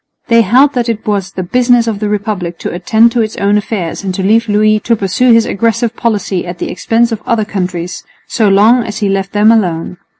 They held that it was the business of the Republic to attend to its own affairs and to leave Louis to pursue his aggressive policy at the expense of other countries, so long as he left them alone.